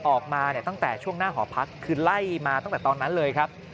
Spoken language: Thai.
ออกมาเนี่ยตั้งแต่ช่วงหน้าหอพักคือไล่มาตั้งแต่ตอนนั้นเลยครับ